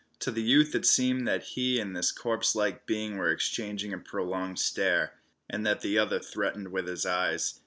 To the youth it seemed that he and this corpse like being were exchanging a prolonged stare, and that the other threatened with his eyes.